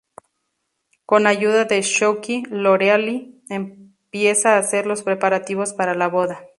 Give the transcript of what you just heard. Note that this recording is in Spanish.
Con ayuda de Sookie, Lorelai empieza a hacer los preparativos para la boda.